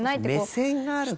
目線があるから。